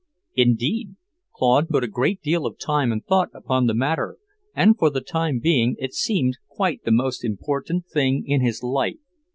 Indeed, Claude put a great deal of time and thought upon the matter, and for the time being it seemed quite the most important thing in his life.